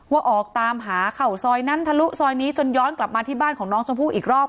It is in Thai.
ออกตามหาเข่าซอยนั้นทะลุซอยนี้จนย้อนกลับมาที่บ้านของน้องชมพู่อีกรอบ